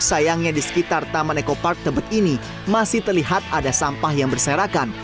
sayangnya di sekitar taman eko park tebet ini masih terlihat ada sampah yang berserakan